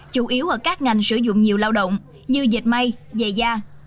chủ yếu ở các ngành sử dụng nhiều lao động như dịch may dày da